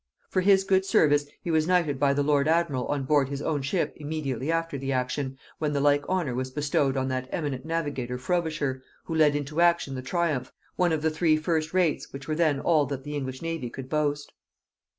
For his good service he was knighted by the lord admiral on board his own ship immediately after the action, when the like honor was bestowed on that eminent navigator Frobisher, who led into action the Triumph, one of the three first rates which were then all that the English navy could boast.